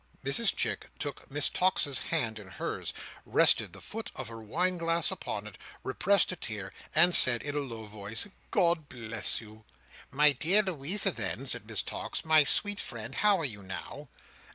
Mrs Chick took Miss Tox's hand in hers, rested the foot of her wine glass upon it, repressed a tear, and said in a low voice, "God bless you!" "My dear Louisa then," said Miss Tox, "my sweet friend, how are you now?"